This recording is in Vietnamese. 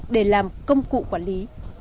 để làm công cụ quản lý